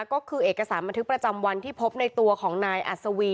ก็คือเอกสารบันทึกประจำวันที่พบในตัวของนายอัศวี